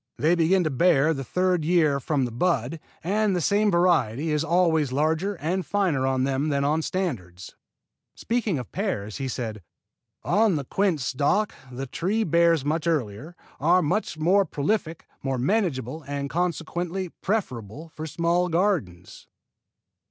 They begin to bear the third year from the bud, and the same variety is always larger and finer on them than on standards." Speaking of pears, he said: "On the quince stock the trees bear much earlier, are more prolific, more manageable, and consequently preferable for small gardens."